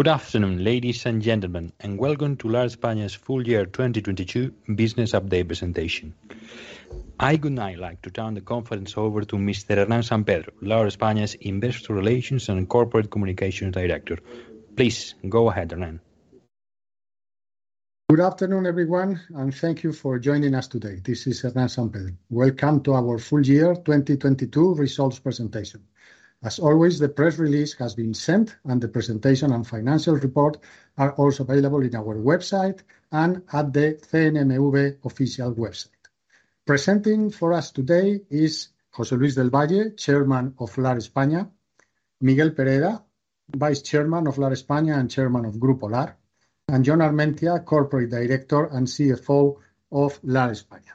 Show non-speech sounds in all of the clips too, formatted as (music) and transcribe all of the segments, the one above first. Good afternoon, ladies and gentlemen, welcome to Lar España's full year 2022 business update presentation. I would now like to turn the conference over to Mr. Hernán San Pedro, Lar España's Investor Relations and Corporate Communications Director. Please go ahead, Hernán. Good afternoon, everyone, and thank you for joining us today. This is Hernán San Pedro. Welcome to our full year 2022 results presentation. As always, the press release has been sent, and the presentation and financial report are also available in our website and at the CNMV official website. Presenting for us today is José Luis del Valle, Chairman of Lar España, Miguel Pereda, Vice Chairman of Lar España and Chairman of Grupo Lar, and Jon Armentia, Corporate Director and CFO of Lar España.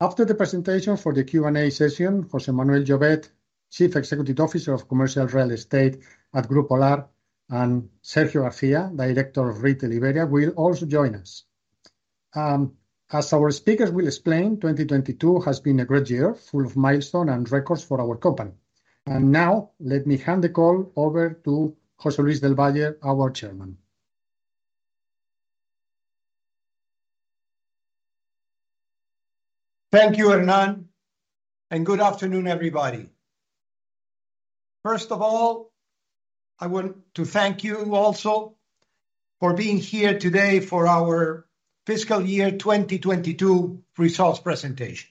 After the presentation, for the Q&A session, José Manuel Llovet, Chief Executive Officer of Commercial Real Estate at Grupo Lar, and Sergio García, Director of Retail Iberia, will also join us. As our speakers will explain, 2022 has been a great year, full of milestone and records for our company. Now, let me hand the call over to José Luis del Valle, our Chairman. Thank you, Hernán, and good afternoon, everybody. First of all, I want to thank you also for being here today for our fiscal year 2022 results presentation.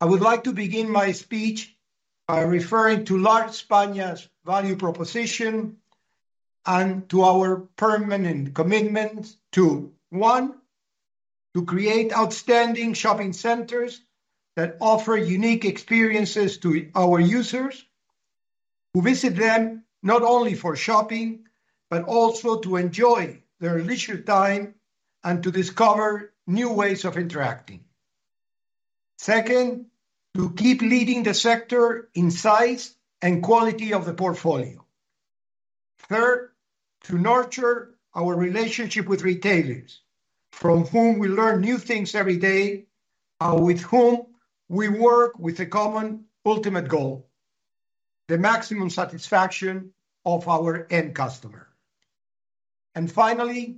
I would like to begin my speech by referring to Lar España's value proposition and to our permanent commitment to, one, to create outstanding shopping centers that offer unique experiences to our users who visit them not only for shopping, but also to enjoy their leisure time and to discover new ways of interacting. Second, to keep leading the sector in size and quality of the portfolio. Third, to nurture our relationship with retailers, from whom we learn new things every day, with whom we work with a common ultimate goal, the maximum satisfaction of our end customer. Finally,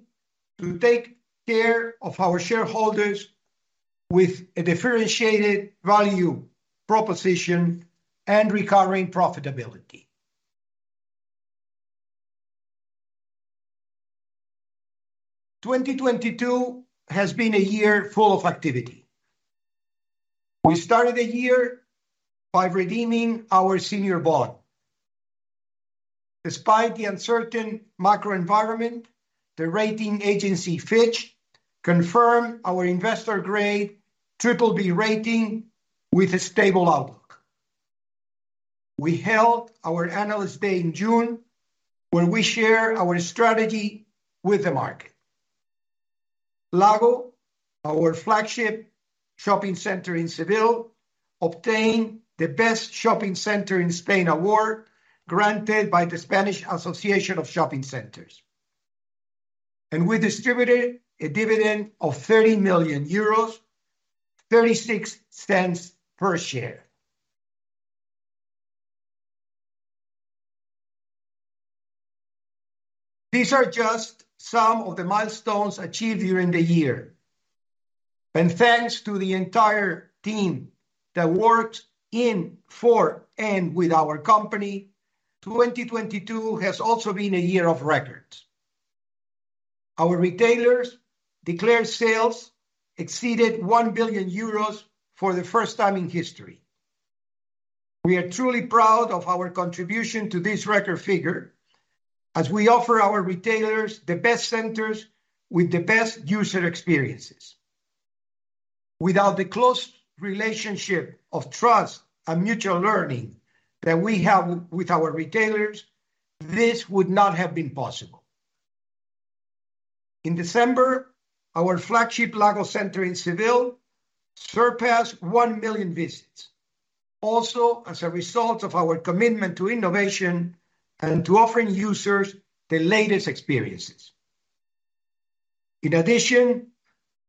to take care of our shareholders with a differentiated value proposition and recurring profitability. 2022 has been a year full of activity. We started the year by redeeming our senior bond. Despite the uncertain macro environment, the rating agency Fitch confirmed our investor grade BBB rating with a stable outlook. We held our Analyst Day in June, where we share our strategy with the market. Lagoh, our flagship shopping center in Seville, obtained the Best Shopping Centre in Spain Award, granted by the Spanish Association of Shopping Centres. We distributed a dividend of 30 million euros, 0.36 per share. These are just some of the milestones achieved during the year. Thanks to the entire team that worked in, for, and with our company, 2022 has also been a year of records. Our retailers declared sales exceeded 1 billion euros for the first time in history. We are truly proud of our contribution to this record figure as we offer our retailers the best centers with the best user experiences. Without the close relationship of trust and mutual learning that we have with our retailers, this would not have been possible. In December, our flagship Lagoh Centre in Seville surpassed 1 million visits, also as a result of our commitment to innovation and to offering users the latest experiences. In addition,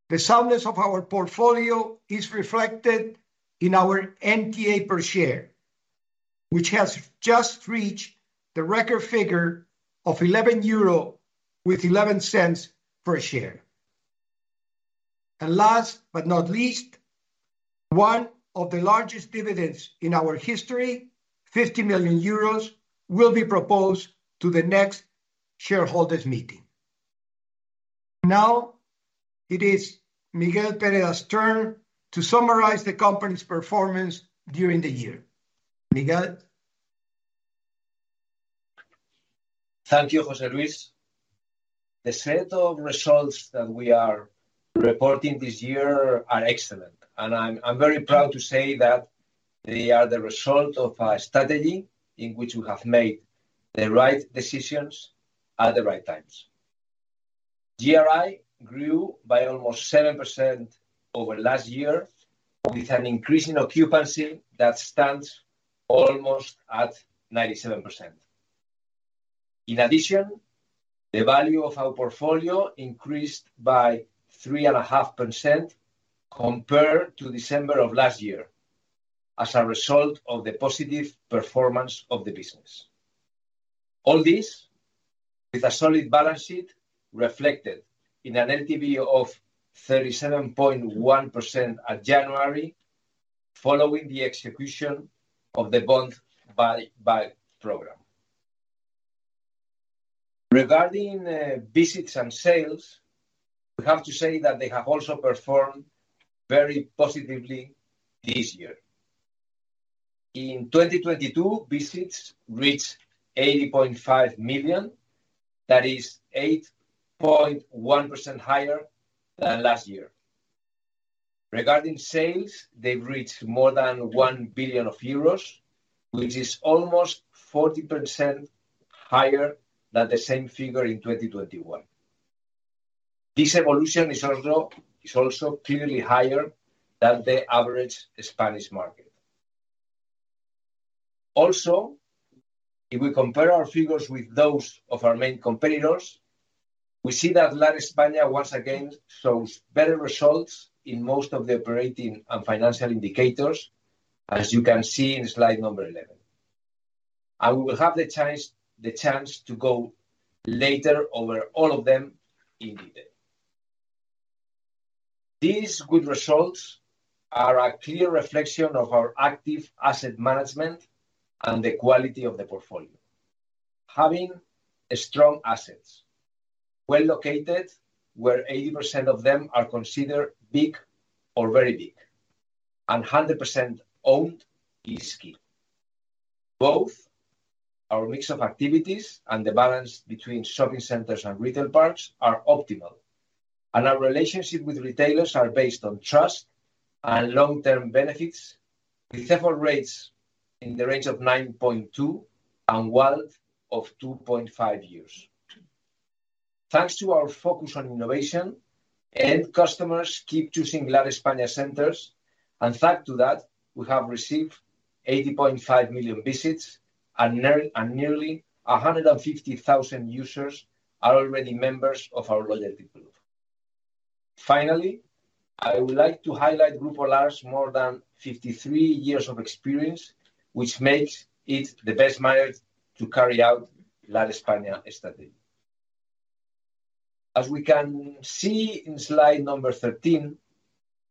the soundness of our portfolio is reflected in our NTA per share, which has just reached the record figure of 11.11 euro per share. Last but not least, one of the largest dividends in our history, 50 million euros, will be proposed to the next shareholders meeting. Now it is Miguel Pereda's turn to summarize the company's performance during the year. Miguel? Thank you, José Luis. The set of results that we are reporting this year are excellent, and I'm very proud to say that they are the result of our strategy in which we have made the right decisions at the right times. GRI grew by almost 7% over last year with an increase in occupancy that stands almost at 97%. In addition, the value of our portfolio increased by 3.5% compared to December of last year. As a result of the positive performance of the business. All this with a solid balance sheet reflected in an LTV of 37.1% at January, following the execution of the bond buy-back program. Regarding visits and sales, we have to say that they have also performed very positively this year. In 2022, visits reached 80.5 million. That is 8.1% higher than last year. Regarding sales, they've reached more than 1 billion euros, which is almost 40% higher than the same figure in 2021. This evolution is also clearly higher than the average Spanish market. If we compare our figures with those of our main competitors, we see that Lar España once again shows better results in most of the operating and financial indicators, as you can see in slide number 11. We will have the chance to go later over all of them in detail. These good results are a clear reflection of our active asset management and the quality of the portfolio. Having strong assets well located, where 80% of them are considered big or very big and 100% owned is key. Both our mix of activities and the balance between shopping centers and retail parks are optimal, our relationship with retailers are based on trust and long-term benefits with default rates in the range of 9.2 and WAULT of 2.5 years. Thanks to our focus on innovation, end customers keep choosing Lar España centers, we have received 80.5 million visits and nearly 150,000 users are already members of our loyalty group. Finally, I would like to highlight Grupo Lar's more than 53 years of experience, which makes it the best market to carry out Lar España strategy. As we can see in slide number 13,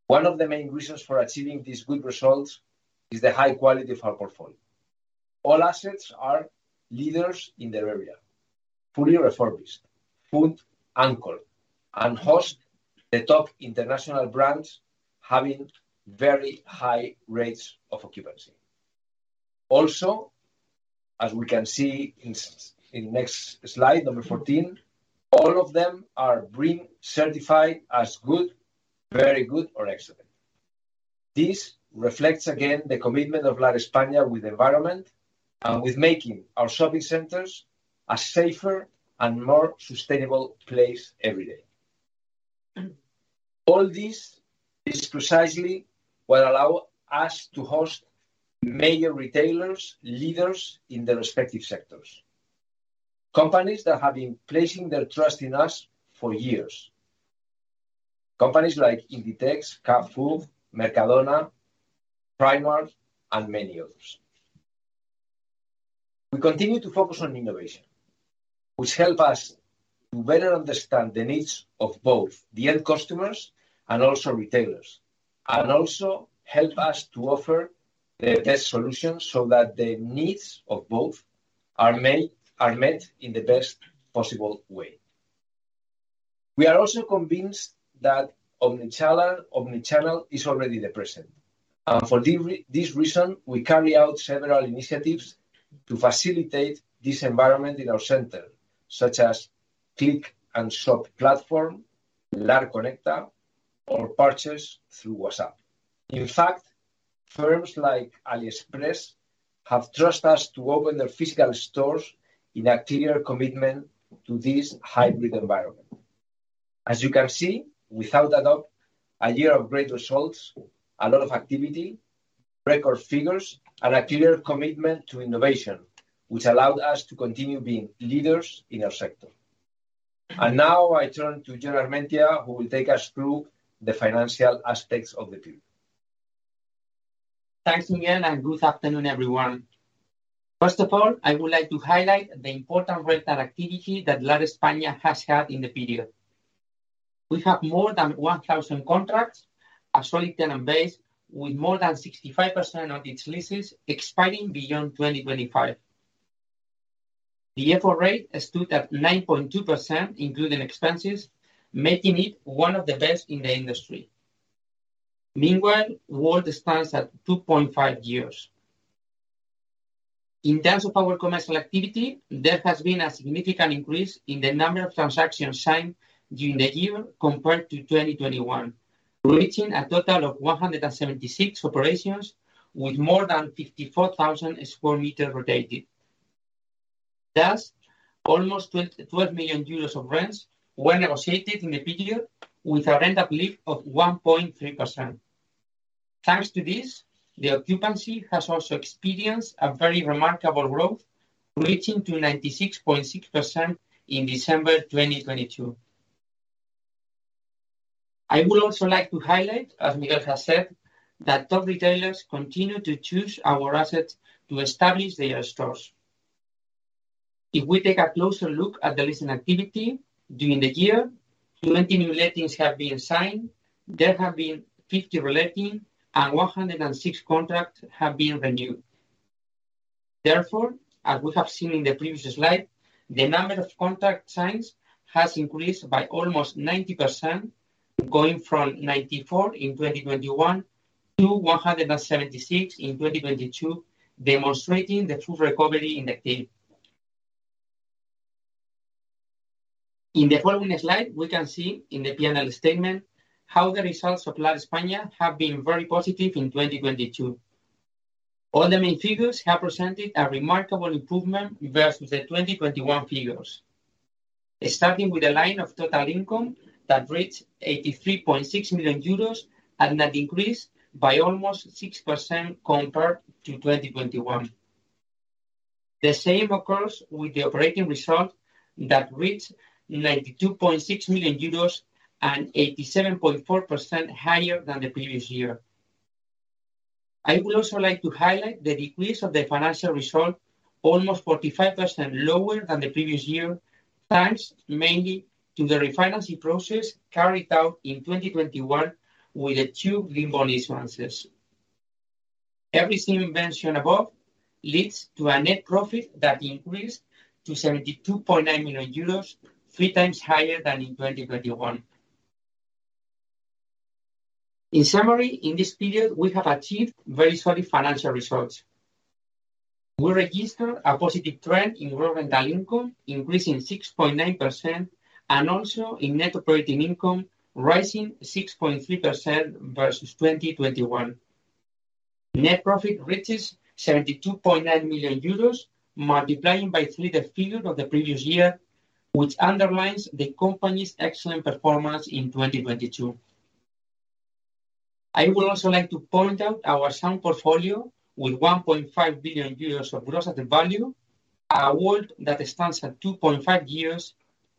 one of the main reasons for achieving these good results is the high quality of our portfolio. All assets are leaders in their area, fully refurbished, food anchored, and host the top international brands having very high rates of occupancy. Also, as we can see in next slide, number 14, all of them are BREEAM certified as good, very good or excellent. This reflects again the commitment of Lar España with the environment and with making our shopping centers a safer and more sustainable place every day. All this is precisely what allow us to host major retailers, leaders in their respective sectors. Companies that have been placing their trust in us for years. Companies like Inditex, Carrefour, Mercadona, Primark, and many others. We continue to focus on innovation, which help us to better understand the needs of both the end customers and also retailers, and also help us to offer the best solutions so that the needs of both are met in the best possible way. We are also convinced that omnichannel is already the present. For this reason, we carry out several initiatives to facilitate this environment in our center, such as Click & Shop platform, Lar Conecta or purchase through WhatsApp. In fact, firms like AliExpress have trusted us to open their physical stores in a clear commitment to this hybrid environment. As you can see, without a doubt, a year of great results, a lot of activity, record figures and a clear commitment to innovation, which allowed us to continue being leaders in our sector. Now I turn to Jon Armentia, who will take us through the financial aspects of the period. Thanks, Miguel. Good afternoon, everyone. First of all, I would like to highlight the important rental activity that Lar España has had in the period. We have more than 1,000 contracts, a solid tenant base with more than 65% of its leases expiring beyond 2025. The FFO rate stood at 9.2% including expenses, making it one of the best in the industry. Meanwhile, WAULT stands at 2.5 years. In terms of our commercial activity, there has been a significant increase in the number of transactions signed during the year compared to 2021, reaching a total of 176 operations with more than 54,000 sq m rotated. Almost 12 million euros of rents were negotiated in the period with a rent uplift of 1.3%. Thanks to this, the occupancy has also experienced a very remarkable growth, reaching 96.6% in December 2022. I would also like to highlight, as Miguel has said, that top retailers continue to choose our assets to establish their stores. If we take a closer look at the leasing activity during the year, 20 new lettings have been signed. There have been 50 reletting, and 106 contracts have been renewed. Therefore, as we have seen in the previous slide, the number of contract signs has increased by almost 90%, going from 94 in 2021 to 176 in 2022, demonstrating the true recovery in the trend. In the following slide, we can see in the P&L statement how the results of Lar España have been very positive in 2022. All the main figures have presented a remarkable improvement versus the 2021 figures. Starting with the line of total income that reached 83.6 million euros and an increase by almost 6% compared to 2021. The same occurs with the operating result that reached 92.6 million euros and 87.4% higher than the previous year. I would also like to highlight the decrease of the financial result, almost 45% lower than the previous year, thanks mainly to the refinancing process carried out in 2021 with the two green bond issuances. Every saving mentioned above leads to a net profit that increased to 72.9 million euros, 3X higher than in 2021. In summary, in this period, we have achieved very solid financial results. We registered a positive trend in raw rental income, increasing 6.9%, and also in Net Operating Income, rising 6.3% versus 2021. Net profit reaches 72.9 million euros, multiplying by 3 the figure of the previous year, which underlines the company's excellent performance in 2022. I would also like to point out our sound portfolio with 1.5 billion euros of gross added value, a WAULT that stands at 2.5 years,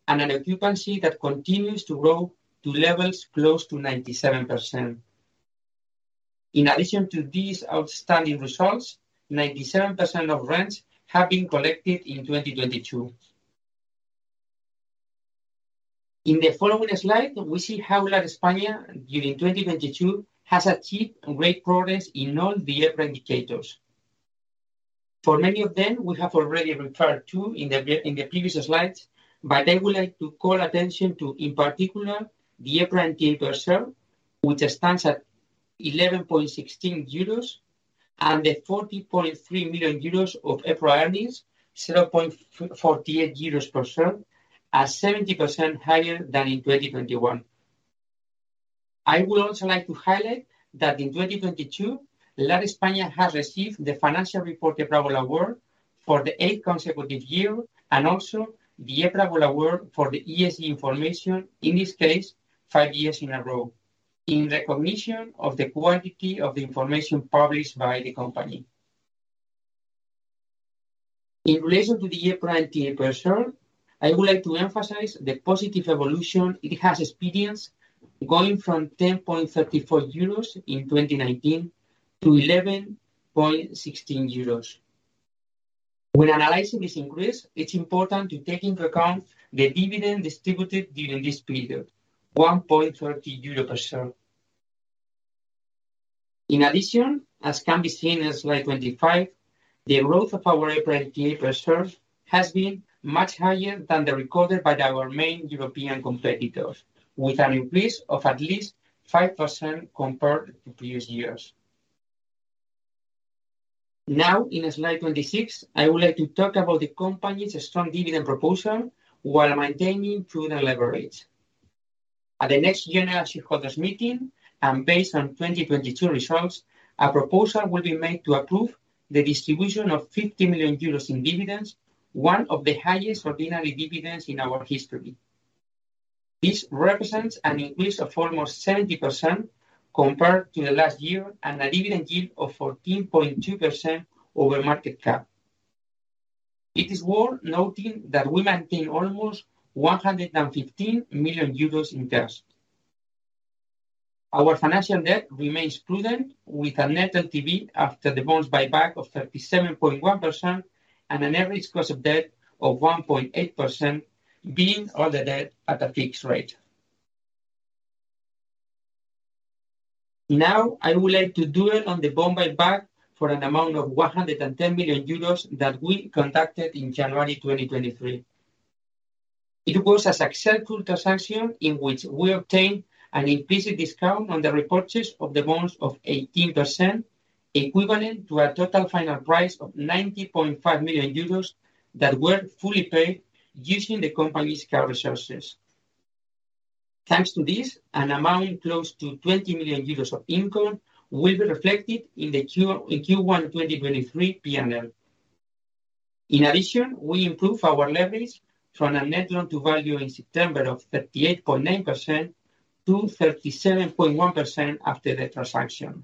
and an occupancy that continues to grow to levels close to 97%. In addition to these outstanding results, 97% of rents have been collected in 2022. In the following slide, we see how Lar España during 2022 has achieved great progress in all the EPRA indicators. For many of them, we have already referred to in the previous slides, I would like to call attention to, in particular, the EPRA NTA per share, which stands at 11.16 euros, and the 40.3 million euros of EPRA earnings, 0.48 euros per share, are 70% higher than in 2021. I would also like to highlight that in 2022, Lar España has received the Financial Report EPRA Award for the eighth consecutive year and also the EPRA Gold Award for the ESG information, in this case, five years in a row, in recognition of the quality of the information published by the company. In relation to the EPRA NTA per share, I would like to emphasize the positive evolution it has experienced going from 10.34 euros in 2019 to 11.16 euros. When analyzing this increase, it's important to take into account the dividend distributed during this period, 1.30 euro per share. As can be seen in Slide 25, the growth of our EPRA NTA per share has been much higher than the recorded by our main European competitors, with an increase of at least 5% compared to previous years. In Slide 26, I would like to talk about the company's strong dividend proposal while maintaining prudent leverage. At the next general shareholders meeting, based on 2022 results, a proposal will be made to approve the distribution of 50 million euros in dividends, one of the highest ordinary dividends in our history. This represents an increase of almost 70% compared to the last year and a dividend yield of 14.2% over market cap. It is worth noting that we maintain almost 115 million euros in cash. Our financial debt remains prudent with a net LTV after the bonds buyback of 37.1% and an average cost of debt of 1.8%, being all the debt at a fixed rate. Now, I would like to dwell on the bond buyback for an amount of 110 million euros that we conducted in January 2023. It was a successful transaction in which we obtained an implicit discount on the repurchase of the bonds of 18%, equivalent to a total final price of 90.5 million euros that were fully paid using the company's cash resources. Thanks to this, an amount close to 20 million euros of income will be reflected in Q1 2023 P&L. In addition, we improve our leverage from a Net Loan-to-Value in September of 38.9% to 37.1% after the transaction.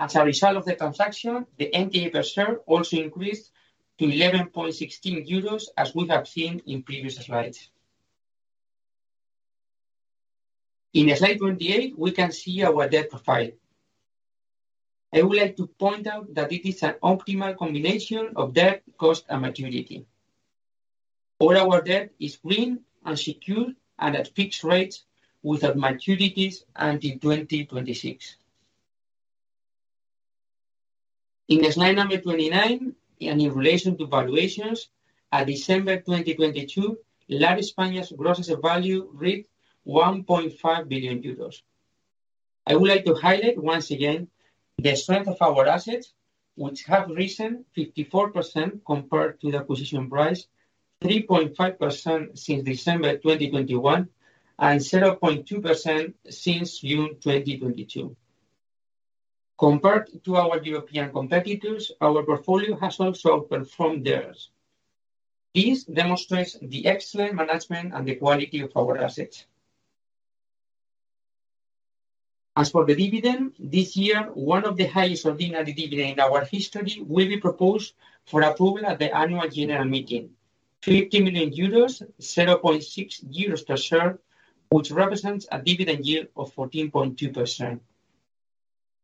As a result of the transaction, the NTA per share also increased to 11.16 euros as we have seen in previous slides. In Slide 28, we can see our debt profile. I would like to point out that it is an optimal combination of debt, cost, and maturity. All our debt is green and secure and at fixed rates with maturities until 2026. In slide number 29, in relation to valuations, at December 2022, Lar España's gross value reached 1.5 billion euros. I would like to highlight once again the strength of our assets, which have risen 54% compared to the acquisition price, 3.5% since December 2021, and 0.2% since June 2022. Compared to our European competitors, our portfolio has also outperformed theirs. This demonstrates the excellent management and the quality of our assets. As for the dividend, this year, one of the highest ordinary dividends in our history will be proposed for approval at the annual general meeting. 50 million euros, 0.6 euros per share, which represents a dividend yield of 14.2%.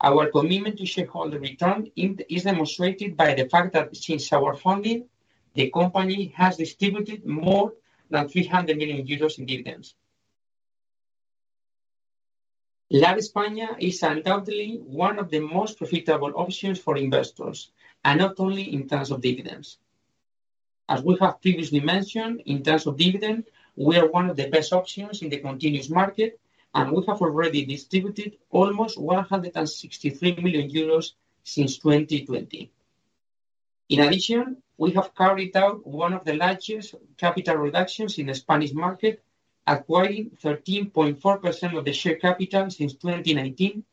Our commitment to shareholder return is demonstrated by the fact that since our founding, the company has distributed more than 300 million euros in dividends. Lar España is undoubtedly one of the most profitable options for investors, and not only in terms of dividends. As we have previously mentioned, in terms of dividend, we are one of the best options in the continuous market, and we have already distributed almost 163 million euros since 2020. In addition, we have carried out one of the largest capital reductions in the Spanish market, acquiring 13.4% of the share capital since 2019,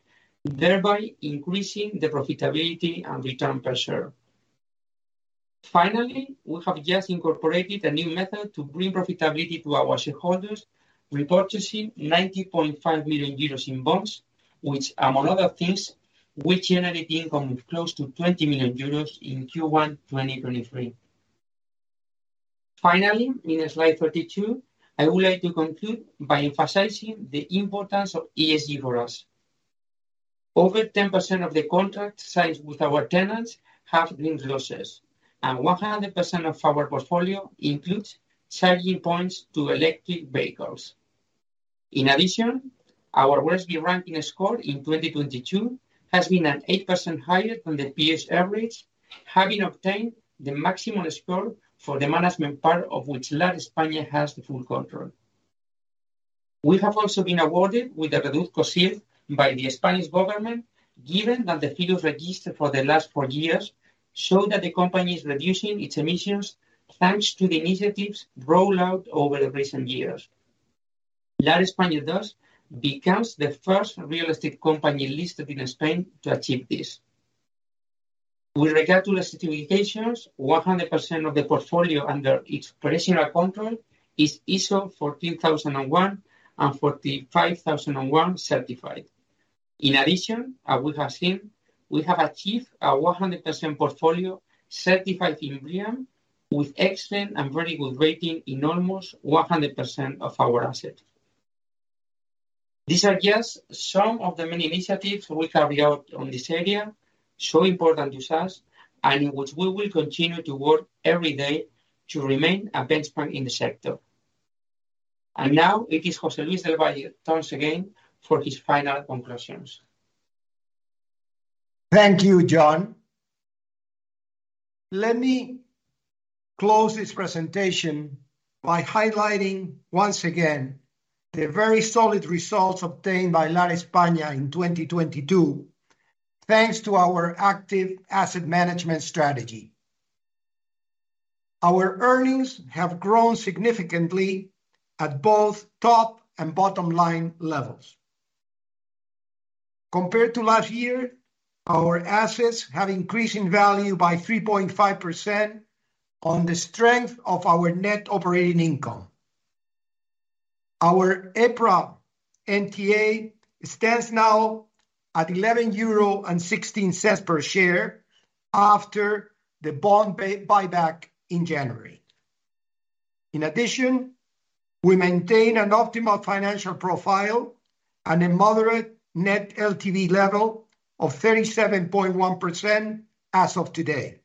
thereby increasing the profitability and return per share. We have just incorporated a new method to bring profitability to our shareholders, repurchasing 90.5 million euros in bonds, which, among other things, will generate income of close to 20 million euros in Q1 2023. In Slide 32, I would like to conclude by emphasizing the importance of ESG for us. Over 10% of the contracts signed with our tenants have green clauses, and 100% of our portfolio includes charging points to electric vehicles. Our GRESB ranking score in 2022 has been an 8% higher than the peers average, having obtained the maximum score for the management part of which Lar España has the full control. We have also been awarded with the Reduzco seal by the Spanish government, given that the figures registered for the last four years show that the company is reducing its emissions thanks to the initiatives rolled out over the recent years. Lar España, thus, becomes the first real estate company listed in Spain to achieve this. With regard to the certifications, 100% of the portfolio under its operational control is ISO 14001 and ISO 45001 certified. In addition, as we have seen, we have achieved a 100% portfolio certified in BREEAM, with excellent and very good rating in almost 100% of our assets. These are just some of the many initiatives we carry out on this area, so important to us, and in which we will continue to work every day to remain a benchmark in the sector. Now it is José Luis del Valle's turn again for his final conclusions. Thank you, Jon. Let me close this presentation by highlighting once again the very solid results obtained by Lar España in 2022, thanks to our active asset management strategy. Our earnings have grown significantly at both top and bottom line levels. Compared to last year, our assets have increased in value by 3.5% on the strength of our Net Operating Income. Our EPRA NTA stands now at 11.16 euro per share after the bond buyback in January. In addition, we maintain an optimal financial profile and a moderate Net LTV level of 37.1% as of today.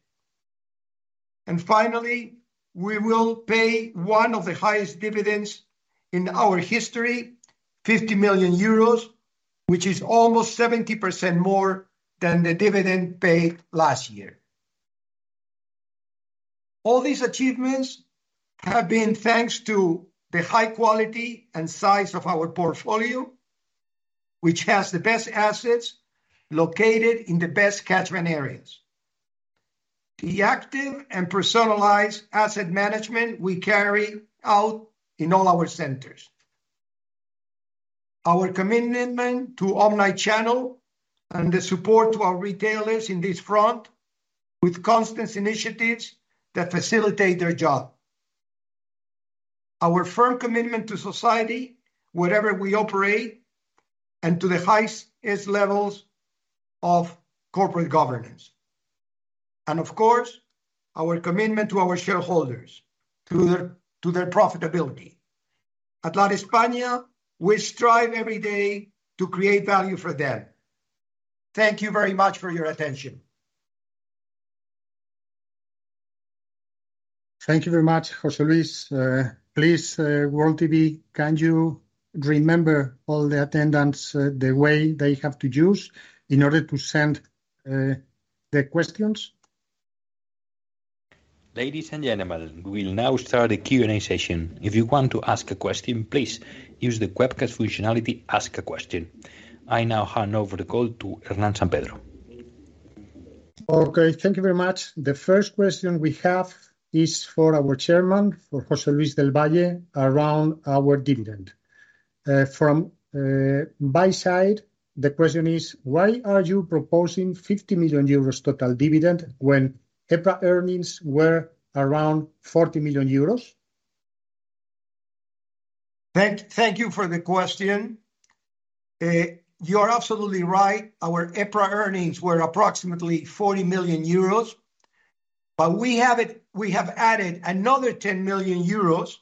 Finally, we will pay one of the highest dividends in our history, 50 million euros, which is almost 70% more than the dividend paid last year. All these achievements have been thanks to the high quality and size of our portfolio, which has the best assets located in the best catchment areas. The active and personalized asset management we carry out in all our centers. Our commitment to omnichannel and the support to our retailers in this front with constant initiatives that facilitate their job. Our firm commitment to society, wherever we operate, and to the highest levels of corporate governance. Of course, our commitment to our shareholders, to their profitability. At Lar España, we strive every day to create value for them. Thank you very much for your attention. Thank you very much, José Luis. Please, (inaudible) can you remember all the attendants, the way they have to use in order to send the questions? Ladies and gentlemen, we'll now start a Q&A session. If you want to ask a question, please use the webcast functionality Ask a Question. I now hand over the call to Hernán San Pedro. Okay, thank you very much. The first question we have is for our Chairman, for José Luis del Valle, around our dividend. From buy side, the question is, why are you proposing 50 million euros total dividend when EPRA earnings were around 40 million euros? Thank you for the question. You're absolutely right. Our EPRA earnings were approximately 40 million euros. We have added another 10 million euros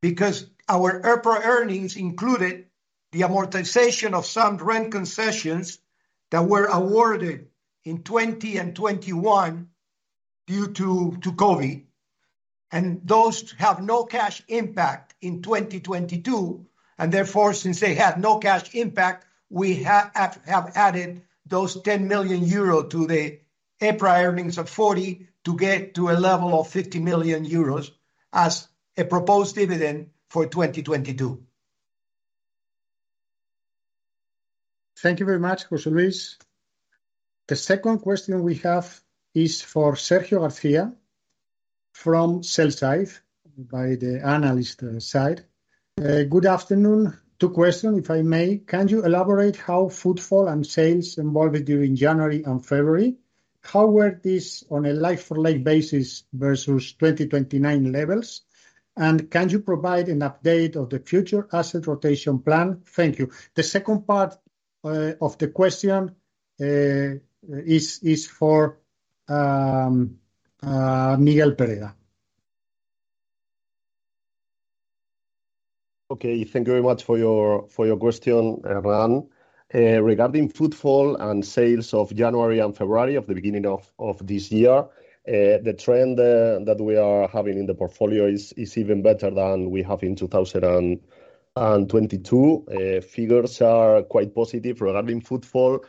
because our EPRA earnings included the amortization of some rent concessions that were awarded in 2020 and 2021 due to COVID, and those have no cash impact in 2022. Therefore, since they have no cash impact, we have added those 10 million euro to the EPRA earnings of 40 million to get to a level of 50 million euros as a proposed dividend for 2022. Thank you very much, José Luis. The second question we have is for Sergio García from sell side by the analyst side. Good afternoon. Two question, if I may? Can you elaborate how footfall and sales evolved during January and February? How were these on a like for like basis versus 2019 levels? Can you provide an update of the future asset rotation plan? Thank you. The second part of the question is for Miguel Pereda. Thank you very much for your question, Hernán. Regarding footfall and sales of January and February of the beginning of this year, the trend that we are having in the portfolio is even better than we have in 2022. Figures are quite positive regarding footfall.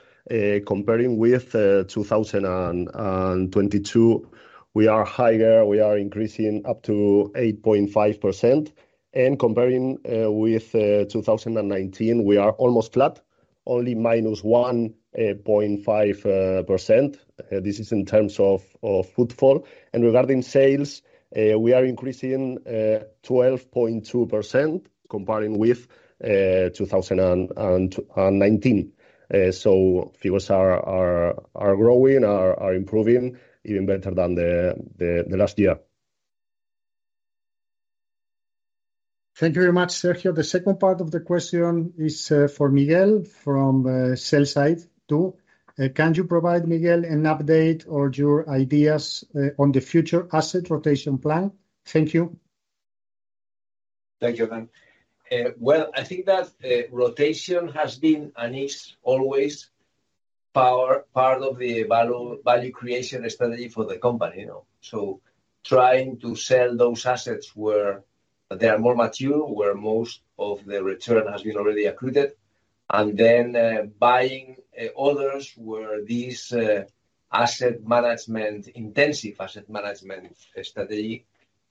Comparing with 2022, we are higher. We are increasing up to 8.5%. Comparing with 2019, we are almost flat, only -1.5%. This is in terms of footfall. Regarding sales, we are increasing 12.2% comparing with 2019. Figures are growing, improving even better than the last year. Thank you very much, Sergio. The second part of the question is for Miguel from sell side, too. Can you provide, Miguel, an update or your ideas on the future asset rotation plan? Thank you. Thank you, Hernán. Well, I think that rotation has been and is always part of the value creation strategy for the company, you know. Trying to sell those assets where they are more mature, where most of the return has been already accrued, and then buying others where these asset management, intensive asset management strategy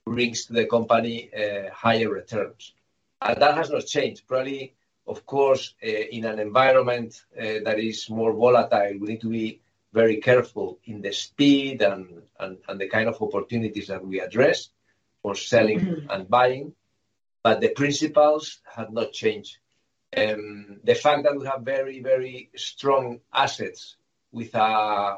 brings the company higher returns. That has not changed. Probably, of course, in an environment that is more volatile, we need to be very careful in the speed and the kind of opportunities that we address for selling and buying, but the principles have not changed. The fact that we have very, very strong assets with I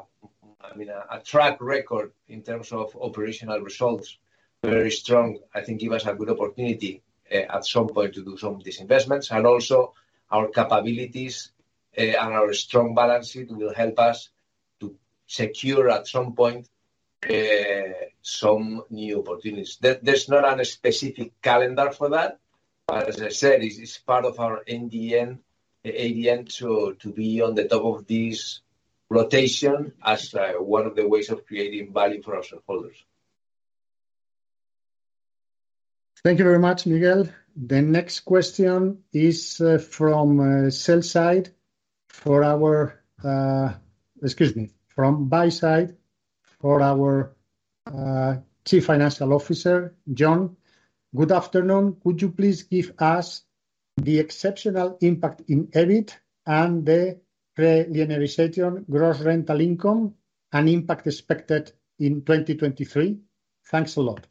mean, a track record in terms of operational results, very strong, I think give us a good opportunity at some point to do some disinvestments. Also our capabilities and our strong balance sheet will help us to secure at some point some new opportunities. There's not an specific calendar for that, but as I said, it's part of our ADN to be on the top of this rotation as one of the ways of creating value for our shareholders. Thank you very much, Miguel. The next question is from buy side for our Chief Financial Officer, Jon. Good afternoon. Could you please give us the exceptional impact in EBIT and the pre-linearization gross rental income and impact expected in 2023? Thanks a lot.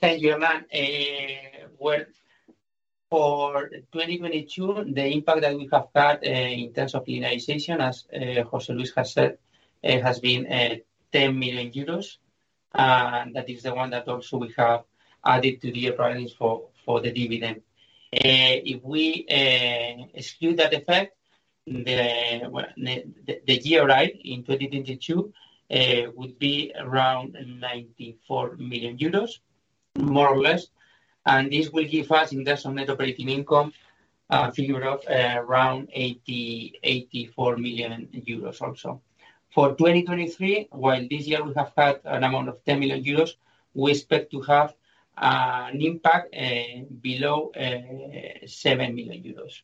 Thank you, Hernán. Well, for 2022, the impact that we have had, in terms of linearization, as José Luis has said, has been, 10 million euros. That is the one that also we have added to the earnings for the dividend. If we exclude that effect, well, the GRI in 2022 would be around 94 million euros, more or less. This will give us in terms of Net Operating Income a figure of around 80 million-84 million euros also. For 2023, while this year we have had an amount of 10 million euros, we expect to have an impact below 7 million euros.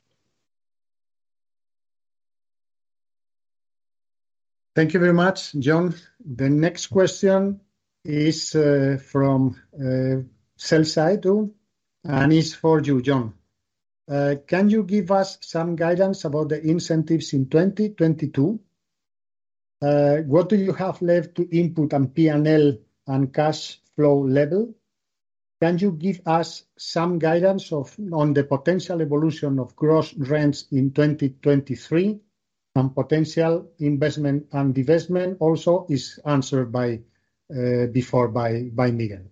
Thank you very much, Jon. The next question is from sell side, and it's for you, Jon. Can you give us some guidance about the incentives in 2022? What do you have left to input on P&L and cash flow level? Can you give us some guidance on the potential evolution of gross rents in 2023 and potential investment and divestment? Also is answered by before by Miguel.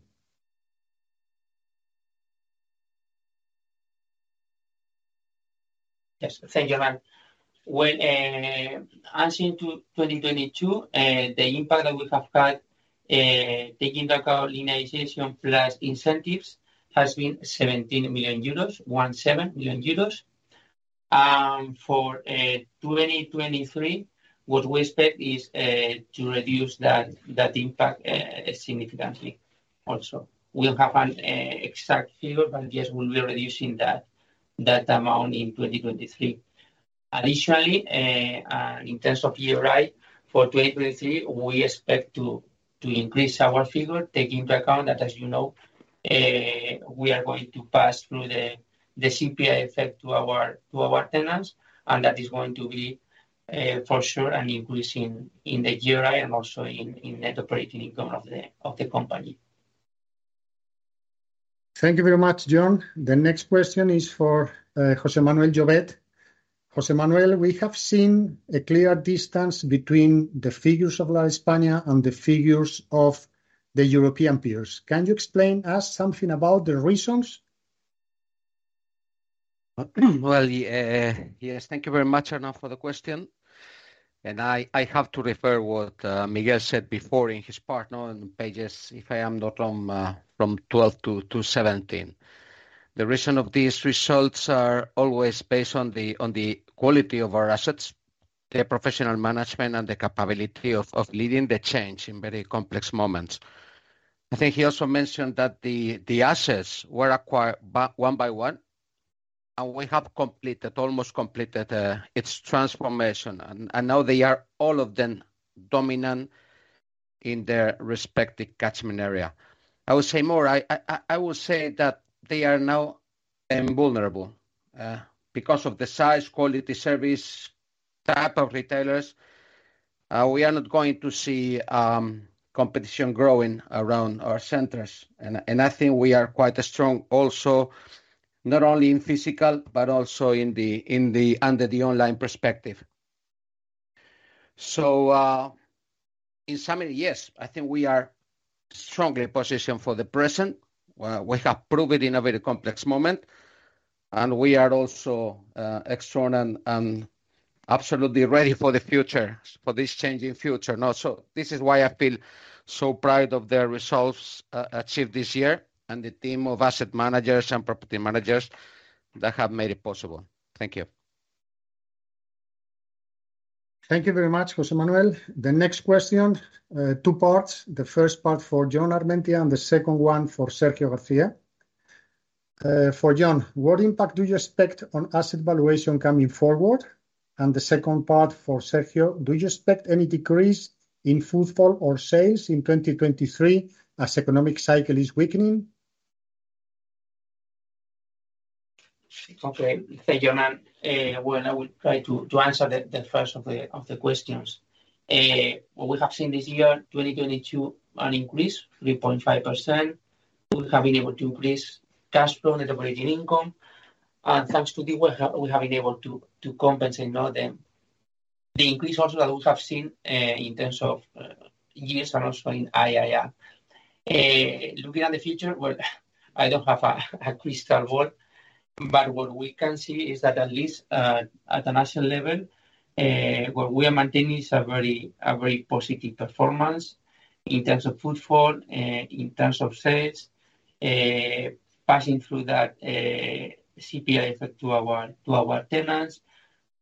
Yes. Thank you, Hernán. Well, answering to 2022, the impact that we have had, taking back our linearization plus incentives has been 17 million euros. 17 million euros. For 2023, what we expect is to reduce that impact significantly also. We'll have an exact figure, but yes, we'll be reducing that amount in 2023. Additionally, in terms of GRI, for 2023, we expect to increase our figure, taking into account that, as you know, we are going to pass through the CPI effect to our, to our tenants. That is going to be for sure an increase in the GRI and also in Net Operating Income of the, of the company. Thank you very much, Jon. The next question is for José Manuel Llovet. José Manuel, we have seen a clear distance between the figures of Lar España and the figures of the European peers. Can you explain us something about the reasons? Well, yeah. Yes. Thank you very much, Hernán, for the question. I have to refer what Miguel said before in his part on pages, if I am not wrong, from 12 to 17. The reason of these results are always based on the quality of our assets, the professional management, and the capability of leading the change in very complex moments. I think he also mentioned that the assets were acquired by one by one, and we have completed, almost completed its transformation. Now they are all of them dominant in their respective catchment area. I would say more. I would say that they are now invulnerable because of the size, quality, service, type of retailers. We are not going to see competition growing around our centers. I think we are quite strong also, not only in physical, but also in the online perspective. In summary, yes, I think we are strongly positioned for the present. We have proved it in a very complex moment, and we are also extremely and absolutely ready for the future, for this changing future now. This is why I feel so proud of the results achieved this year and the team of asset managers and property managers that have made it possible. Thank you. Thank you very much, José Manuel. The next question, two parts. The first part for Jon Armentia and the second one for Sergio García. For Jon, what impact do you expect on asset valuation coming forward? The second part for Sergio, do you expect any decrease in footfall or sales in 2023 as economic cycle is weakening? Okay. Thank you, Hernán. Well, I will try to answer the first of the questions. What we have seen this year, 2022, an increase, 3.5%. We have been able to increase cash flow, Net Operating Income. Thanks to this, we have been able to compensate now the increase also that we have seen in terms of years and also in IIF. Looking at the future, well, I don't have a crystal ball, but what we can see is that at least at a national level, what we are maintaining is a very positive performance in terms of footfall, in terms of sales, passing through that CPI effect to our tenants.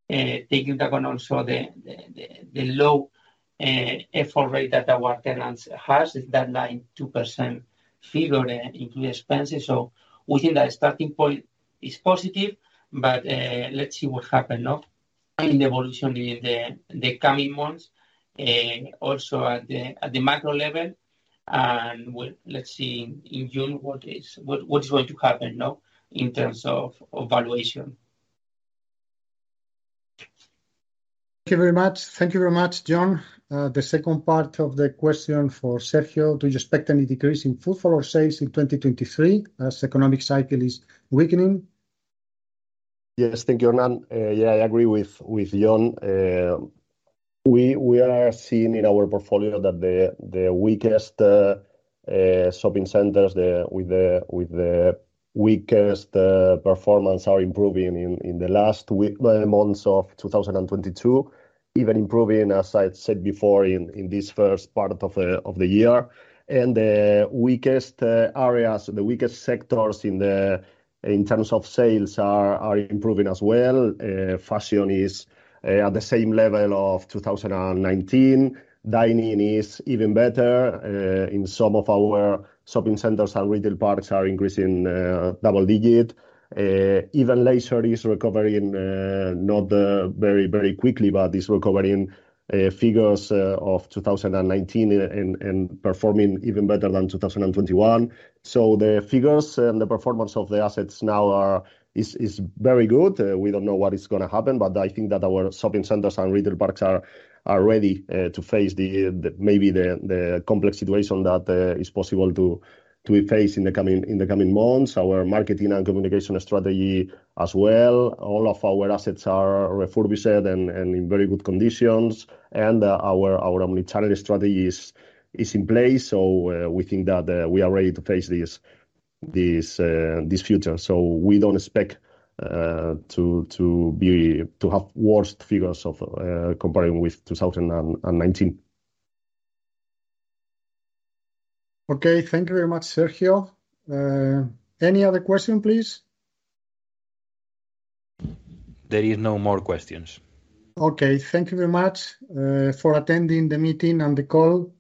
Taking into account also the low effort rate that our tenants has, that 92% figure include expenses. Within that starting point is positive, but let's see what happen, no, in the evolution in the coming months. Also at the macro level. Let's see in June what is going to happen, no, in terms of valuation. Thank you very much. Thank you very much, Jon. The second part of the question for Sergio, do you expect any decrease in footfall or sales in 2023 as economic cycle is weakening? Yes. Thank you, Hernán. Yeah, I agree with Jon. We are seeing in our portfolio that the weakest shopping centers, with the weakest performance, are improving in the last months of 2022. Even improving, as I said before, in this first part of the year. The weakest areas, the weakest sectors in terms of sales are improving as well. Fashion is the same level of 2019. Dining is even better. In some of our shopping centers and retail parks are increasing double-digit. Even leisure is recovering, not very quickly, but is recovering figures of 2019 and performing even better than 2021. The figures and the performance of the assets now are very good. We don't know what is gonna happen, but I think that our shopping centers and retail parks are ready to face the complex situation that is possible to be faced in the coming months. Our marketing and communication strategy as well, all of our assets are refurbished and in very good conditions. Our omnichannel strategy is in place, we think that we are ready to face this future. We don't expect to have worse figures of comparing with 2019. Okay. Thank you very much, Sergio. Any other question, please? There is no more questions. Okay. Thank you very much for attending the meeting and the call.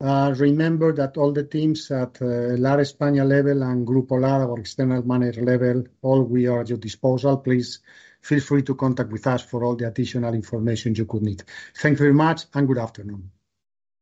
Remember that all the teams at Lar España level and Grupo Lar, our external manager level, all we are at your disposal. Please feel free to contact with us for all the additional information you could need. Thank you very much and good afternoon.